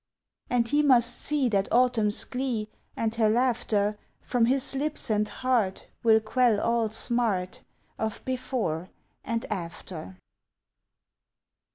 And he must see that Autumn's glee And her laughter From his lips and heart will quell all smart Of before and after!